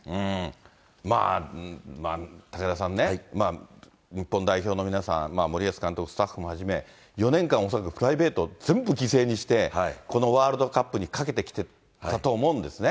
まあ、武田さんね、日本代表の皆さん、森保監督、スタッフもはじめ４年間、恐らくプライベート全部犠牲にして、このワールドカップに懸けてきてたと思うんですね。